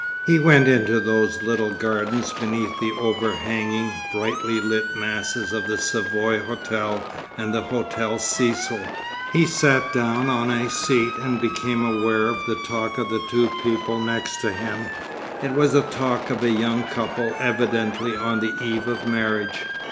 He went into those little gardens beneath the over hanging, brightly lit masses of the Savoy Hotel and the Hotel Cecil. He sat down on a seat and became aware of the talk of the two people next to him. It was the talk of a young couple evidently on the eve of marriage.